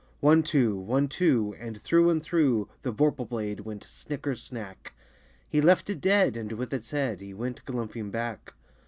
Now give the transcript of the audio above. One, two! One, two! And through and through The vorpal blade went snicker snack! He left it dead, and with its head He went galumphing back.